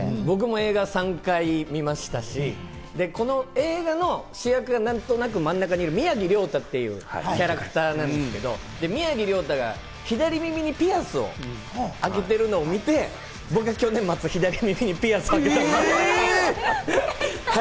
僕、『ＳＬＡＭＤＵＮＫ』本当に大好きで、僕も映画、３回見ましたし、この映画の主役が何となく真ん中にいる宮城リョータっていうキャラクターなんですけど、宮城リョータが左耳にピアスをあけてるのを見て、僕は去年、まず左の耳にピアスをあけたんです。